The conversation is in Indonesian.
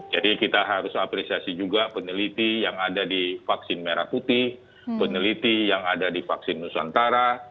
jadi kita harus apresiasi juga peneliti yang ada di vaksin merah putih peneliti yang ada di vaksin nusantara